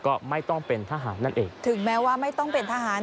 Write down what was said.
ก็ไม่ต้องเป็นทหารนั่นเองถึงแม้ว่าไม่ต้องเป็นทหาร